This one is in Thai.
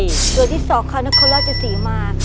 ตัวที่สองค่ะนักฐานราชศรีมาก